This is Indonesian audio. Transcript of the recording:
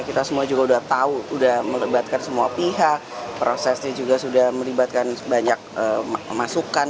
kita semua juga sudah tahu sudah melibatkan semua pihak prosesnya juga sudah melibatkan banyak masukan